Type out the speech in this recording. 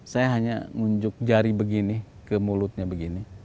saya hanya nunjuk jari begini ke mulutnya begini